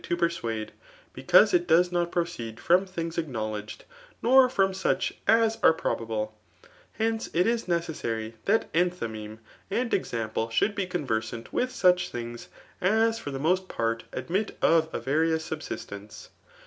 to .persuade, becauae it does iiot pi)>ceed fr^m;thipgs acknowledged, nt>r from such as are piiitbabie. Hence, it is nci^iessary that enthymeme and e](Mipk..3he!i^ be conversant, wkh such things as for Hm rdnoat purt ffdnijt of a various subsistende.